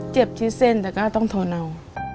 เจ็บที่เส้นแต่ก็ต้องทนเอา